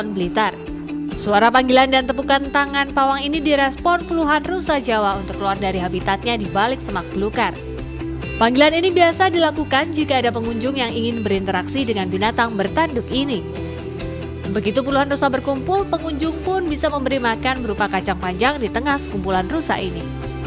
berupa kacang panjang di tengah sekumpulan rusa ini